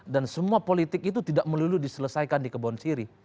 dan semua politik itu tidak melulu diselesaikan di kebon siri